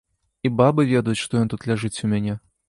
І бабы ведаюць, што ён тут ляжыць у мяне.